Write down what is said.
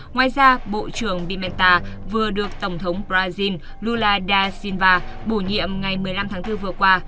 ngoài ra bộ trưởng bimenta vừa được tổng thống brazil lula da silva bổ nhiệm ngày một mươi năm tháng bốn vừa qua